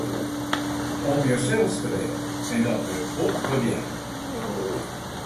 Om jinssels te wêzen, en dat wurdt bot wurdearre.